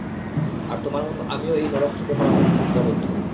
আর তোমার মত আমিও এই নরক থেকে পালাতে প্রতিজ্ঞাবদ্ধ।